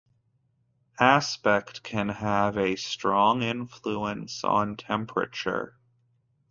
Aspect can have a strong influence on temperature.